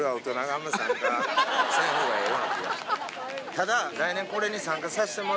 ただ。